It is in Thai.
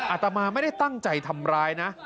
อาตมาไม่ได้ตั้งใจทำร้ายนะ